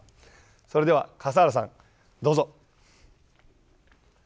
それでは笠原さん、どうぞ。